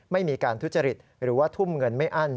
ไม่มีการทุจริตหรือว่าทุ่มเงินไม่อั้น